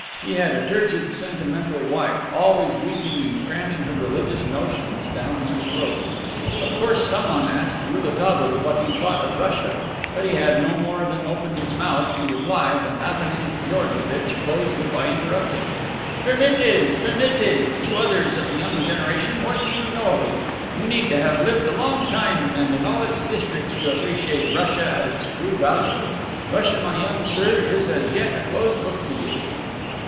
He had a turgid, sentimental wife, always weeping and cramming her religious notions down his throat. Of course someone asked Rouletabille what he thought of Russia, but he had no more than opened his mouth to reply than Athanase Georgevitch closed it by interrupting: "Permettez! Permettez! You others, of the young generation, what do you know of it? You need to have lived a long time and in all its districts to appreciate Russia at its true value. Russia, my young sir, is as yet a closed book to you."